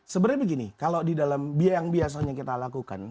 sebenarnya begini kalau di dalam biaya yang biasanya kita lakukan